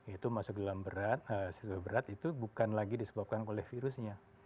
itu masuk ke dalam berat itu bukan lagi disebabkan oleh virusnya